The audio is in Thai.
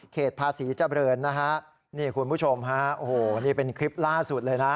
ภาษีเจริญนะฮะนี่คุณผู้ชมฮะโอ้โหนี่เป็นคลิปล่าสุดเลยนะ